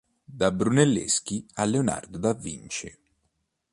Da Brunelleschi a Leonardo da Vinci".